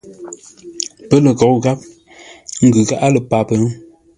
Pə́ lə ghou gháp, ə́ ngʉ̌ gháʼá lə́ páp?